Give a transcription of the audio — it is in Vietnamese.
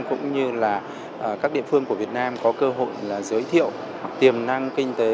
cũng như là các địa phương của việt nam có cơ hội giới thiệu tiềm năng kinh tế